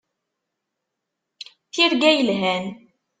Tirga yelhan.